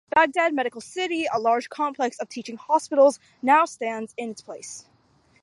Baghdad Medical City, a large complex of teaching hospitals, now stands in its place.